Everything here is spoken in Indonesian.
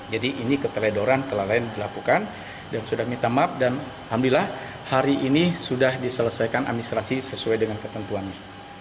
jadi ini keterledoran kelalaian dilakukan dan sudah minta maaf dan alhamdulillah hari ini sudah diselesaikan administrasi sesuai dengan ketentuannya